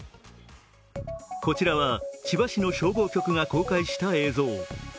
こちらは千葉市の消防局が公開した映像。